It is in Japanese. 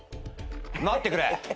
待ってくれ。